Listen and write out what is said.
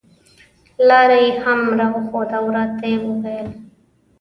لاره یې هم راښوده او راته یې وویل.